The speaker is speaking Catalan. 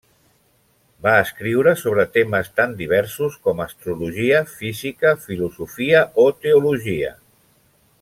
Va escriure sobre temes tan diversos com astrologia, física, filosofia o teologia.